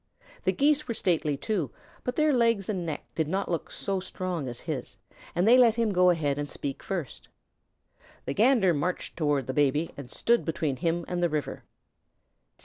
The Geese were stately too, but their legs and neck did not look so strong as his, and they let him go ahead and speak first. The Gander marched toward the Baby and stood between him and the river.